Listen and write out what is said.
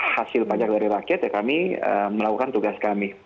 hasil pajak dari rakyat ya kami melakukan tugas kami